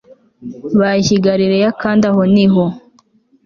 bajye i galilaya kandi aho ni ho